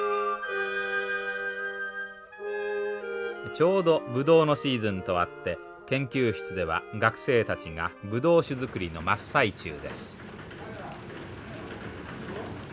ちょうどブドウのシーズンとあって研究室では学生たちがブドウ酒造りの真っ最中です。